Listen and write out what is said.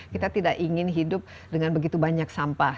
kita tidak ingin hidup dengan begitu banyak sampah